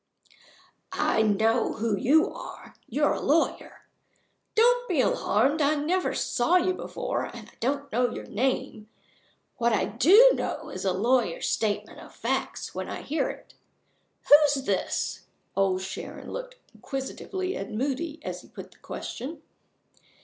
"I know who you are you're a lawyer. Don't be alarmed! I never saw you before; and I don't know your name. What I do know is a lawyer's statement of facts when I hear it. Who's this?" Old Sharon looked inquisitively at Moody as he put the question.